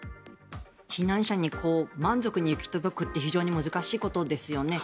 避難者に満足に行き届くって非常に難しいことですよね。